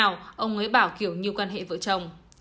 ông ấy bảo kiểu như quan hệ vợ chồng